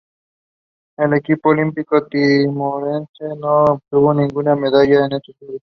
El equipo olímpico timorense no obtuvo ninguna medalla en estos Juegos.